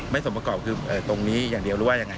สมประกอบคือตรงนี้อย่างเดียวหรือว่ายังไง